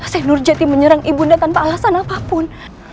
seh nurjati menyerang ibu nia tanpa alasan apapun